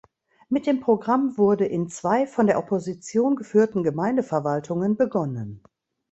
Mit dem Programm wurde in zwei von der Opposition geführten Gemeindeverwaltungen begonnen.